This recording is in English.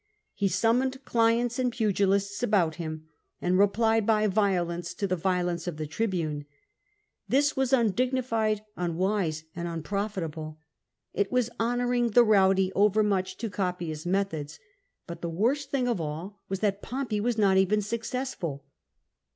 He summoned clients and pugilists about him, and replied by violence to the violence (d' the tribune. This was undignified, unwise, and unprofitable. It was honouring the rowdy overmuch to copy his methods. But the worst thing of all was that Pompey was not even successful.